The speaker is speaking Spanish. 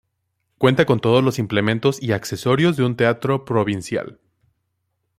Cuenta con todos los implementos y accesorios de un teatro provincial.